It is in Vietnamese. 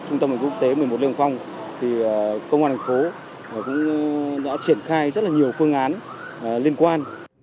các bộ trưởng tại trung tâm hội nghị quốc tế một mươi một lê hồng phong công an thành phố đã triển khai rất nhiều phương án liên quan